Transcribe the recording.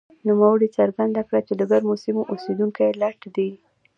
نوموړي څرګنده کړه چې د ګرمو سیمو اوسېدونکي لټ دي.